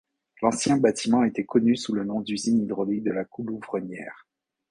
L’ancien bâtiment était connu sous le nom d’Usine hydraulique de la Coulouvrenière.